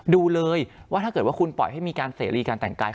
ดูเลยว่าถ้าเกิดว่าคุณปล่อยให้มีการเสรีการแต่งกาย